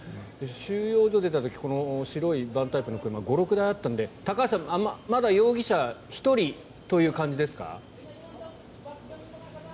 収容所を出た時この白いバンタイプの車が５６台あったので高橋さん、まだ容疑者は１人という感じですか？